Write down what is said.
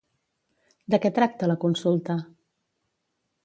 De què tracta la consulta?